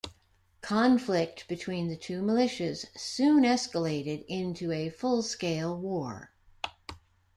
Conflict between the two militias soon escalated into a full-scale war.